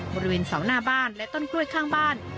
บริเวณเสาหน้าบ้านและต้นกล้วยข้างบ้าน